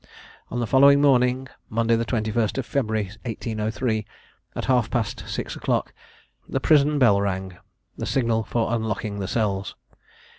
On the following morning, Monday the 21st of February, 1803, at half past six o'clock, the prison bell rang the signal for unlocking the cells.